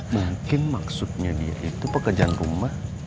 mungkin maksudnya dia itu pekerjaan rumah